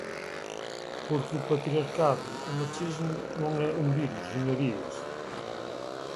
Porque o patriarcado, o machismo, non é un virus, señorías.